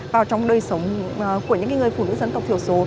vào trong đời sống của những người phụ nữ dân tộc thiểu số